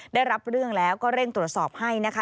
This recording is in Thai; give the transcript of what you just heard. ได้รับเรื่องแล้วก็เร่งตรวจสอบให้นะคะ